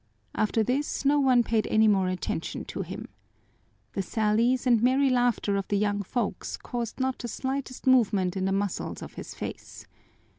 After this no one paid any more attention to him. The sallies and merry laughter of the young folks caused not the slightest movement in the muscles of his face.